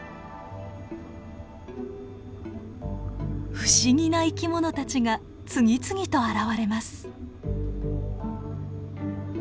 不思議な生き物たちが次々と現れます。